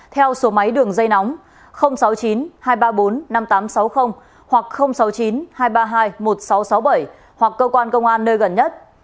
theo số máy đường dây nóng sáu mươi chín hai trăm ba mươi bốn năm nghìn tám trăm sáu mươi hoặc sáu mươi chín hai trăm ba mươi hai một nghìn sáu trăm sáu mươi bảy hoặc cơ quan công an nơi gần nhất